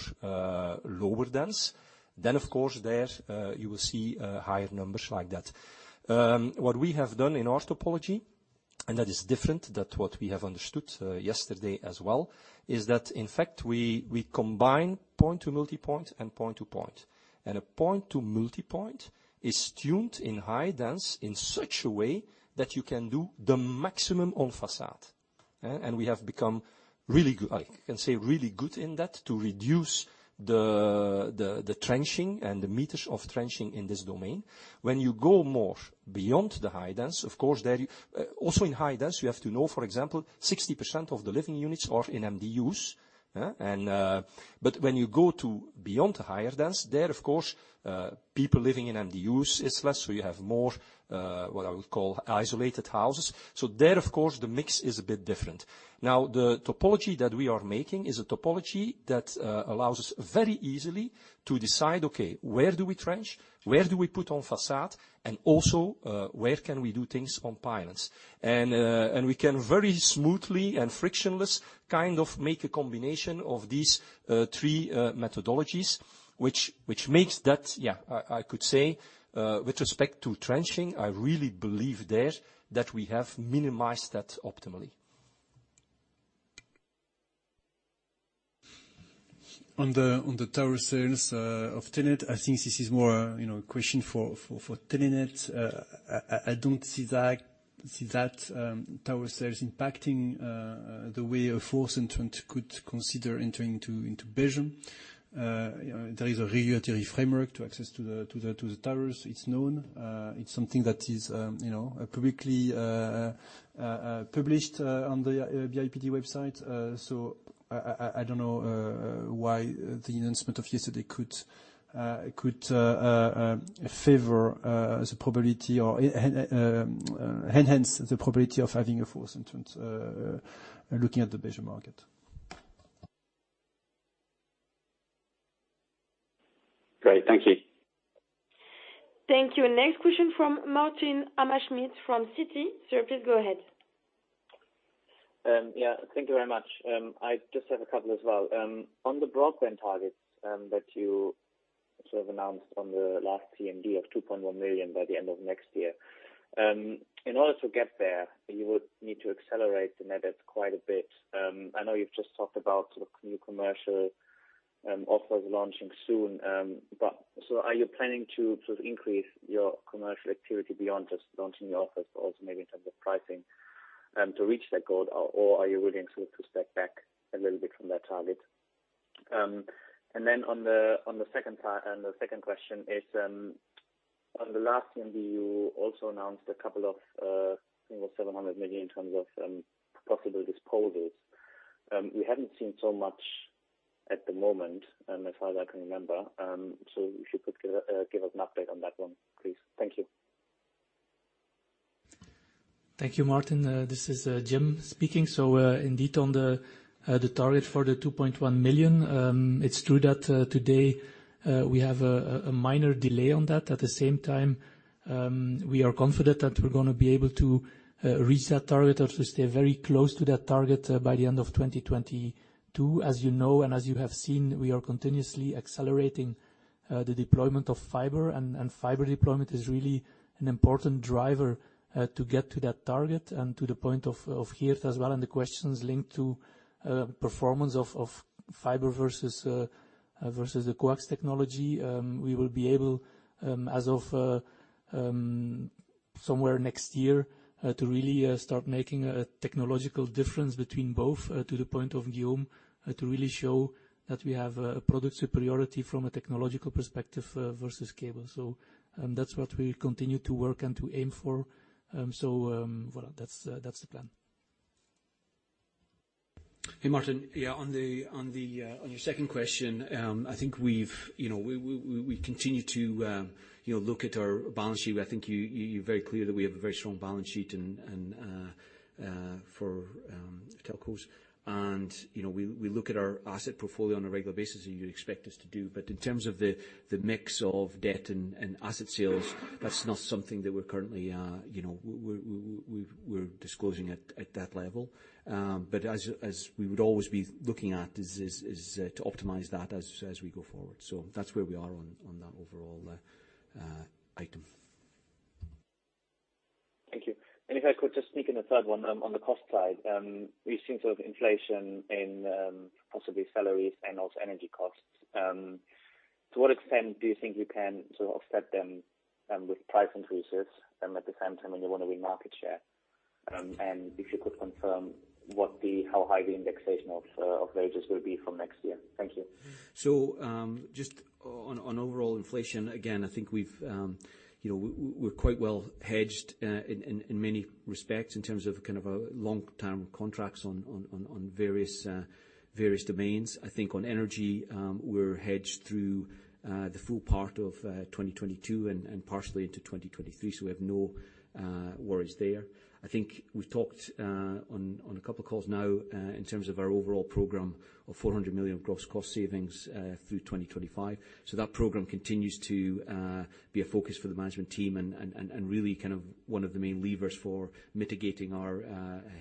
lower density, then of course there you will see higher numbers like that. What we have done in our topology, and that is different than what we have understood yesterday as well, is that in fact we combine point-to-multipoint and point-to-point. A point-to-multipoint is tuned in high density in such a way that you can do the maximum on façade. We have become really good, I can say, really good in that to reduce the trenching and the meters of trenching in this domain. When you go more beyond the high density, of course there. Also in high density, you have to know, for example, 60% of the living units are in MDUs. But when you go to beyond higher density, there, of course, people living in MDUs is less, so you have more what I would call isolated houses. There, of course, the mix is a bit different. Now, the topology that we are making is a topology that allows us very easily to decide, okay, where do we trench, where do we put on façade, and also, where can we do things on poles? And we can very smoothly and frictionless kind of make a combination of these three methodologies, which makes that I could say, with respect to trenching, I really believe there that we have minimized that optimally. On the tower sales of Telenet, I think this is more, you know, a question for Telenet. I don't see that tower sales impacting the way a fourth entrant could consider entering into Belgium. You know, there is a regulatory framework to access the towers. It's known. It's something that is, you know, publicly published on the BIPT website. So I don't know why the enhancement of yesterday could favor the probability or enhance the probability of having a fourth entrant looking at the Belgian market. Great. Thank you. Thank you. Next question from Martin Hammerschmidt from Citi. Sir, please go ahead. Yeah. Thank you very much. I just have a couple as well. On the Broadband targets that you sort of announced on the last CMD of 2.1 million by the end of next year, in order to get there, you would need to accelerate the net adds quite a bit. I know you've just talked about sort of new commercial. Also launching soon. Are you planning to increase your commercial activity beyond just launching the office also maybe in terms of pricing and to reach that goal or are you willing to step back a little bit from that target? And then on the second question is on the last CMD, you also announced a couple of almost 700 million in terms of possible disposals. We haven't seen so much at the moment, as far as I can remember. If you could give us an update on that one, please. Thank you. Thank you, Martin. This is Jim speaking. Indeed, on the target for the 2.1 million, it's true that today we have a minor delay on that. At the same time, we are confident that we're gonna be able to reach that target or to stay very close to that target by the end of 2022. As you know and as you have seen, we are continuously accelerating the deployment of Fiber and Fiber deployment is really an important driver to get to that target. And to the point of Geert as well, and the questions linked to performance of Fiber versus the coax technology. We will be able, as of somewhere next year, to really start making a technological difference between both, to the point, Guillaume, to really show that we have a product superiority from a technological perspective, versus cable. That's what we continue to work and to aim for. Voilà, that's the plan. Hey, Martin. Yeah, on your second question, I think we've you know we continue to you know look at our balance sheet. I think you're very clear that we have a very strong balance sheet and for telcos. You know, we look at our asset portfolio on a regular basis, as you'd expect us to do. In terms of the mix of debt and asset sales, that's not something that we're currently you know we're disclosing at that level. As we would always be looking at is to optimize that as we go forward. That's where we are on that overall item. Thank you. If I could just sneak in a third one, on the cost side. We've seen sort of inflation in, possibly salaries and also energy costs. To what extent do you think you can sort of offset them, with price increases and at the same time when you want to win market share? If you could confirm what the, how high the indexation of wages will be from next year. Thank you. Just on overall inflation, again, I think we've, you know, we're quite well hedged in many respects in terms of kind of long-term contracts on various domains. I think on energy, we're hedged through the full part of 2022 and partially into 2023, so we have no worries there. I think we've talked on a couple of calls now in terms of our overall program of 400 million gross cost savings through 2025. That program continues to be a focus for the management team and really kind of one of the main levers for mitigating our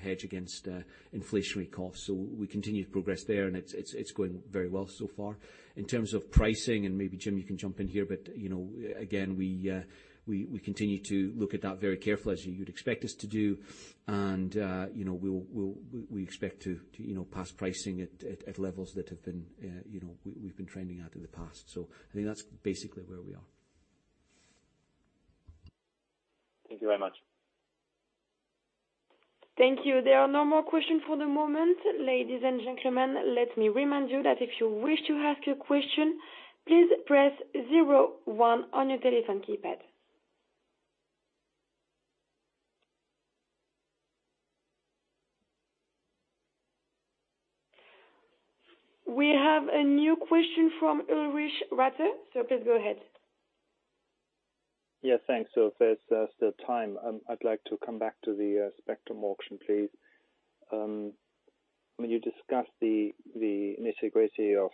hedge against inflationary costs. We continue to progress there, and it's going very well so far. In terms of pricing, and maybe Jim, you can jump in here, but you know, again, we continue to look at that very carefully as you would expect us to do. You know, we'll expect to, you know, pass pricing at levels that have been, you know, we've been trending at in the past. I think that's basically where we are. Thank you very much. Thank you. There are no more questions for the moment. Ladies and gentlemen, let me remind you that if you wish to ask a question, please press zero one on your telephone keypad. We have a new question from Ulrich Rathe. Please go ahead. Yeah, thanks. If there's still time, I'd like to come back to the spectrum auction, please. When you discuss the nitty-gritty of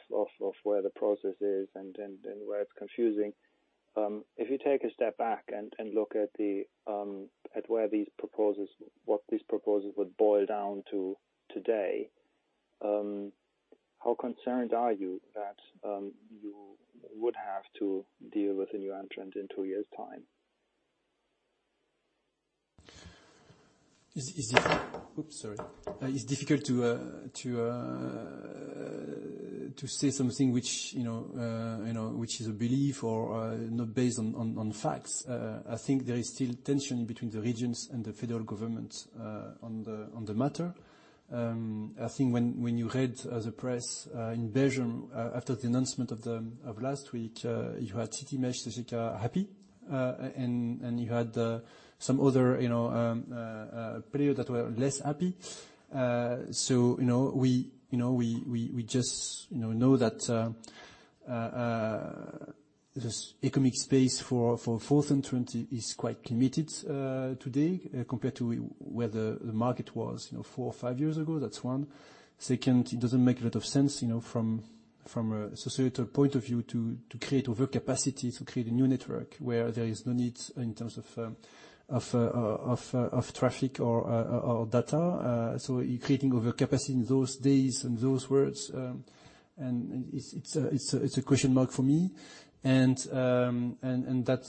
where the process is and where it's confusing, if you take a step back and look at where these proposals, what these proposals would boil down to today, how concerned are you that you would have to deal with a new entrant in two years' time? It's difficult to say something which, you know, which is a belief or not based on facts. I think there is still tension between the regions and the federal government on the matter. I think when you read the press in Belgium after the announcement of last week, you had Citymesh, happy, and you had some other player that were less happy. You know, we just know that this economic space for fourth entrant is quite limited today compared to where the market was, you know, four or five years ago. That's one. Second, it doesn't make a lot of sense, you know, from a societal point of view, to create overcapacity, to create a new network where there is no need in terms of traffic or data. So you're creating overcapacity in those ways and those worlds, and it's a question mark for me. That's,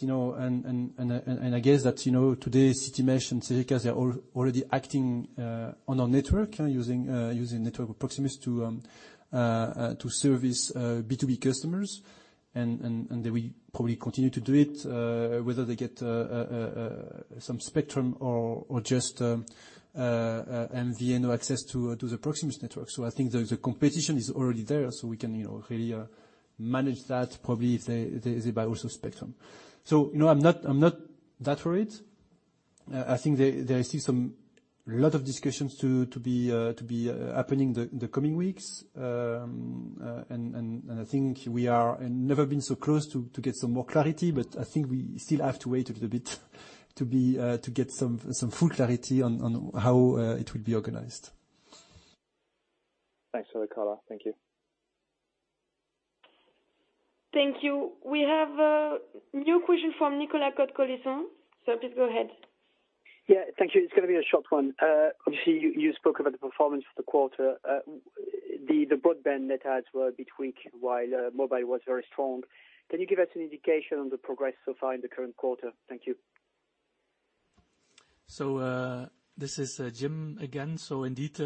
you know, and I guess that, you know, today Citymesh and Cegeka, they're already acting on our network using network of Proximus to service B2B customers. They will probably continue to do it, whether they get some spectrum or just MVNO access to the Proximus network. I think the competition is already there, so we can, you know, really, manage that probably if they buy also spectrum. You know, I'm not that worried. I think they see some lot of discussions to be happening the coming weeks. I think we are and never been so close to get some more clarity, but I think we still have to wait a little bit to get some full clarity on how it will be organized. Thanks for the call. Thank you. Thank you. We have a new question from Nicolas Cote-Colisson. Please go ahead. Yeah, thank you. It's gonna be a short one. Obviously, you spoke about the performance for the quarter. The Broadband net adds were a bit weak while mobile was very strong. Can you give us an indication on the progress so far in the current quarter? Thank you. This is Jim again. Indeed,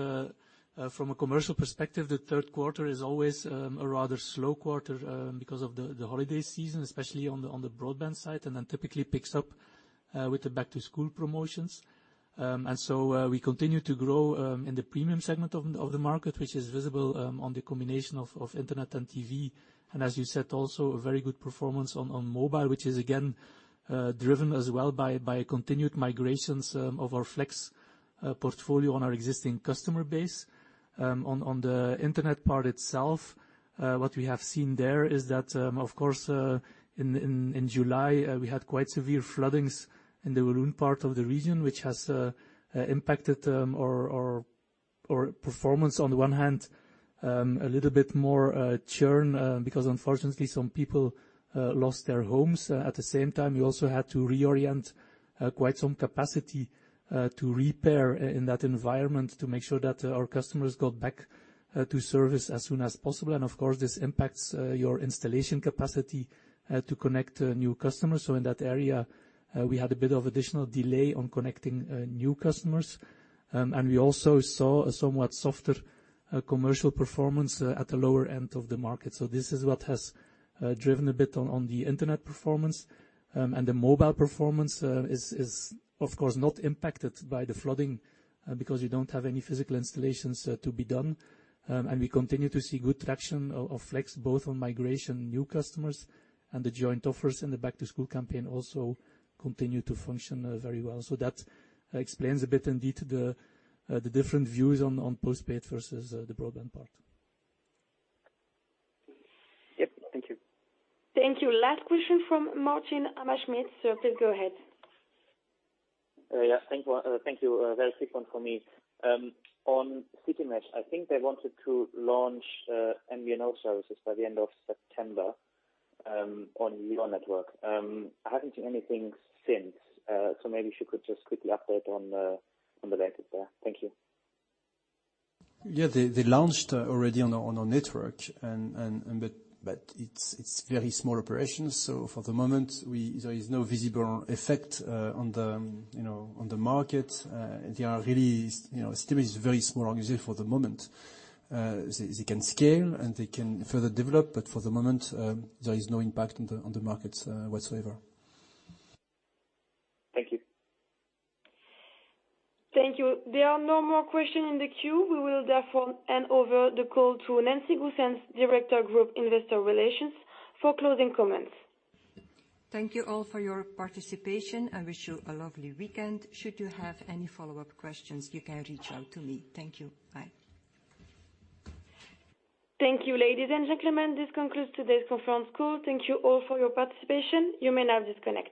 from a commercial perspective, the third quarter is always a rather slow quarter because of the holiday season, especially on the Broadband side, and then typically picks up with the back-to-school promotions. We continue to grow in the premium segment of the market, which is visible on the combination of Internet and TV. As you said, also a very good performance on mobile, which is again driven as well by continued migrations of our Flex portfolio on our existing customer base. On the Internet part itself, what we have seen there is that, of course, in July, we had quite severe flooding in the Walloon part of the region, which has impacted our performance. On the one hand, a little bit more churn because unfortunately some people lost their homes. At the same time, we also had to reorient quite some capacity to repair in that environment to make sure that our customers got back to service as soon as possible. Of course, this impacts your installation capacity to connect new customers. In that area, we had a bit of additional delay on connecting new customers. We also saw a somewhat softer commercial performance at the lower end of the market. This is what has driven a bit on the Internet performance. The mobile performance is of course not impacted by the flooding because you don't have any physical installations to be done. We continue to see good traction of Flex, both on migration new customers and the joint offers in the back-to-school campaign also continue to function very well. That explains a bit indeed the different views on Postpaid versus the Broadband part. Yep. Thank you. Thank you. Last question from Martin Hammerschmidt. Please go ahead. Yeah. Thank you. A very quick one from me. On Citymesh, I think they wanted to launch MVNO services by the end of September on your network. I haven't seen anything since. Maybe if you could just quickly update on the latest there. Thank you. Yeah. They launched already on our network and but it's very small operations. For the moment, there is no visible effect, you know, on the market. They are really, you know, still is very small user for the moment. They can scale and they can further develop, but for the moment, there is no impact on the markets whatsoever. Thank you. Thank you. There are no more questions in the queue. We will therefore hand over the call to Nancy Goossens, Director of Group Investor Relations for closing comments. Thank you all for your participation. I wish you a lovely weekend. Should you have any follow-up questions, you can reach out to me. Thank you. Bye. Thank you, ladies and gentlemen. This concludes today's conference call. Thank you all for your participation. You may now disconnect.